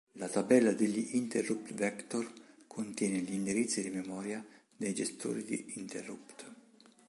La tabella degli interrupt vector contiene gli indirizzi di memoria dei gestori di interrupt.